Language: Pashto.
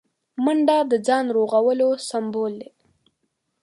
منډه د ځان رغولو سمبول دی